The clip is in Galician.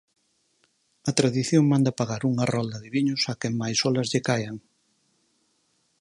A tradición manda pagar unha rolda de viños a quen máis olas lle caian.